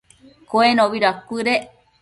Cuenobi dacuëdec